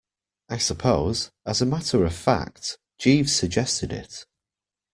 I suppose, as a matter of fact, Jeeves suggested it.